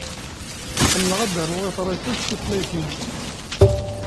Ḥemmleɣ ad aruɣ iḍrisen s tutlayt-inu.